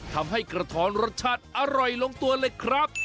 ทำให้กระท้อนรสชาติอร่อยลงตัวเลยครับ